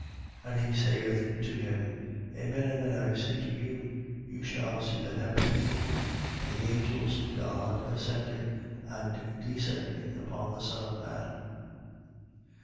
1:51. And he saith to him: Amen, amen, I say to you, you shall see the heaven opened and the angels of God ascending and descending upon the Son of man.